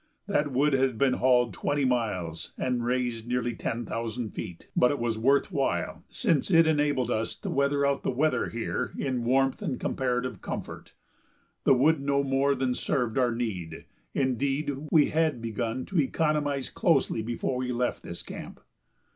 That wood had been hauled twenty miles and raised nearly ten thousand feet, but it was worth while since it enabled us to "weather out the weather" here in warmth and comparative comfort. The wood no more than served our need; indeed, we had begun to economize closely before we left this camp.